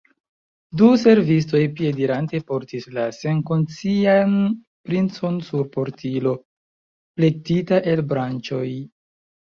Du servistoj piedirante portis la senkonscian princon sur portilo, plektita el branĉoj.